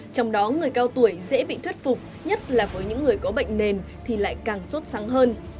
trong đó người cao tuổi dễ bị thuyết phục nhất là với những người có bệnh nền thì lại càng sốt sáng hơn